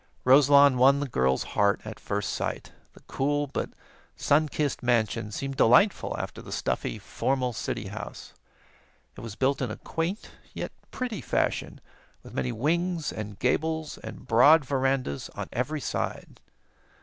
Roselawn won the girl's heart at first sight. The cool but sun kissed mansion seemed delightful after the stuffy, formal city house. It was built in a quaint yet pretty fashion, with many wings and gables and broad verandas on every side.